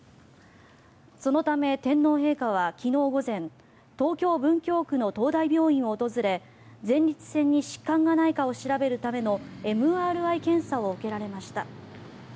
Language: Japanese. そのため、天皇陛下は昨日午前東京・文京区の東大病院を訪れ前立腺に疾患がないかを調べるためのＭＲＩ検査を受けられました。